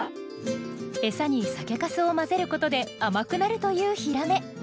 餌に酒かすを混ぜることで甘くなるというヒラメ。